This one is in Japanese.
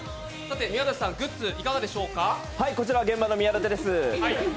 宮舘さん、グッズいかがでしょうかこちら、現場の宮舘です。